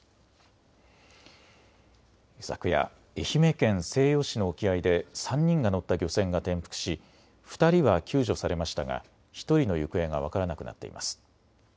昨夜、愛媛県西予市の沖合で３人が乗った漁船が転覆し２人は救助されましたが１人の行方が分からなくなっています。